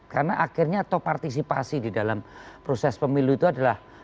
karena akhirnya top partisipasi di dalam proses pemilu itu adalah